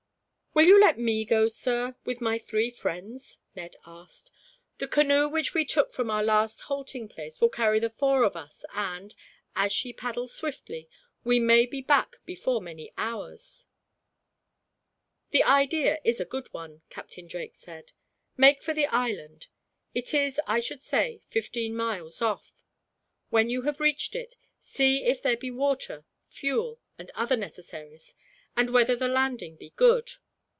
"Will you let me go, sir, with my three friends?" Ned asked. "The canoe which we took from our last halting place will carry the four of us and, as she paddles swiftly, we may be back before many hours." "The idea is a good one," Captain Drake said. "Make for the island. It is, I should say, fifteen miles off. When you have reached it, see if there be water, fuel, and other necessaries, and whether the landing be good.